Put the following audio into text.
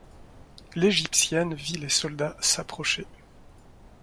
L’égyptienne vit les soldats s’approcher.